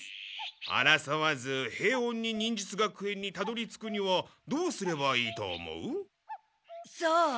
あらそわず平おんに忍術学園にたどりつくにはどうすればいいと思う？さあ。